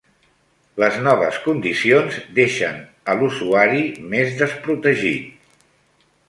Les noves condicions deixen a l'usuari més desprotegit